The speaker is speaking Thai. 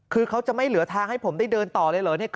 คือเขาจะไม่เหลือทางให้ผมได้เดินต่อเลยเหรอ